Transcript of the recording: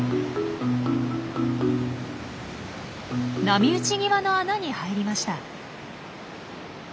波打ち際の穴に入りました。